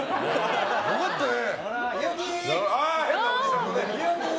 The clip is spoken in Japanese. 良かったね！